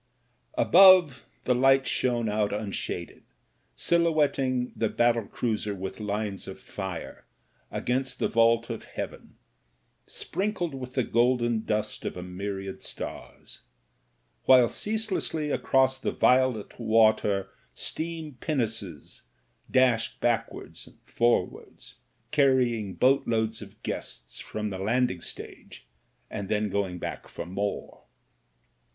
Above, the lights shone out unshaded, silhouetting the battle cruiser with lines of fire against the vault of heaven, sprinkled with the golden dust of a myriad stars ; while ceaselessly across the violet water steam pinnaces dashed backwards and forwards, carry ing boatloads of guests from the landing stage, and then going back for more.